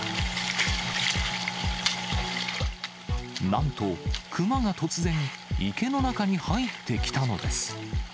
なんと、クマが突然、池の中に入ってきたのです。